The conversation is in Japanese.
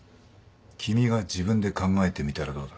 君が自分で考えてみたらどうだ？